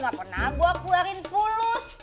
gak pernah gue keluarin pulus